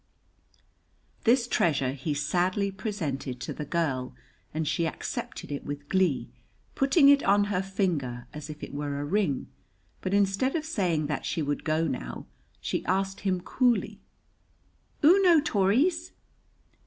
This treasure he sadly presented to the girl, and she accepted it with glee, putting it on her finger, as if it were a ring, but instead of saying that she would go now she asked him, coolly, "Oo know tories?"